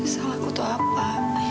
salah aku tuh apa